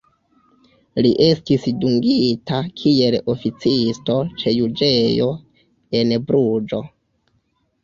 Li estis dungita kiel oficisto ĉe juĝejo en Bruĝo.